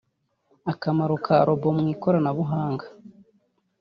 akamaro ka robo mu ikoranabuhanga